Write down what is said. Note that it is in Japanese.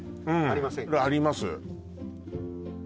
あります